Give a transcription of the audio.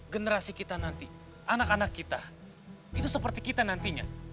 generasi kita nanti anak anak kita itu seperti kita nantinya